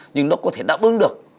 nhưng nó có thể đáp ứng được